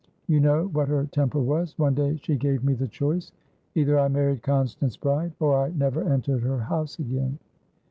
You know what her temper was. One day she gave me the choice: either I married Constance Bride, or I never entered her house again.